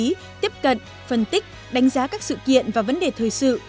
đào tạo nên các tác phẩm báo chí tiếp cận phân tích đánh giá các sự kiện và vấn đề thời sự